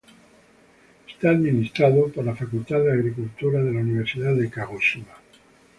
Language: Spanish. Está administrado por la Facultad de Agricultura de la Universidad de Kagoshima.